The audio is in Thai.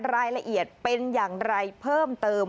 รายละเอียดเป็นอย่างไรเพิ่มเติม